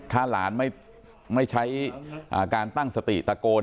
ถ้าหลานไม่ใช้การตั้งสติตะโกน